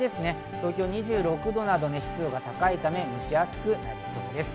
東京２６度など、湿度が高いので蒸し暑くなりそうです。